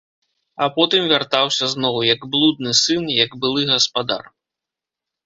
А потым вяртаўся зноў, як блудны сын, як былы гаспадар.